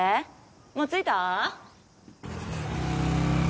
もう着いた？